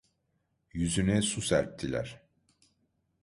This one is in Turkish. Yüzüne su serptiler.